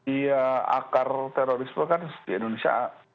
iya akar terorisme kan di indonesia